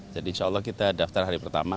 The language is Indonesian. jadi insya allah kita daftar hari pertama